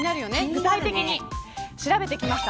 具体的に調べてきました。